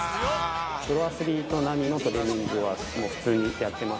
プロアスリート並みのトレーニングは普通にやってます。